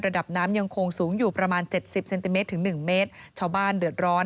ระดับน้ำยังคงสูงอยู่ประมาณเจ็ดสิบเซนติเมตรถึงหนึ่งเมตรชาวบ้านเดือดร้อน